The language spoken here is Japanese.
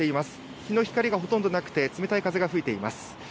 日の光がほとんどなくて冷たい風が吹いています。